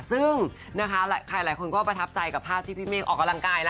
ซึ่งนะคะใครหลายคนก็ประทับใจกับภาพที่พี่เมฆออกกำลังกายแล้ว